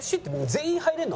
全員入れるの？